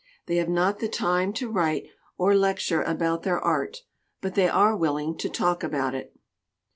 They have not the time to write or lec ture about their art, but they are willing to talk about it.